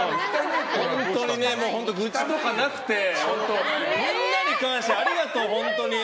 本当に愚痴とかなくてみんなに感謝、ありがとう。